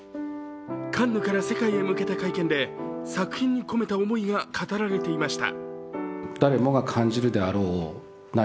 カンヌから世界へ向けた会見で作品に込めた思いが語られていました。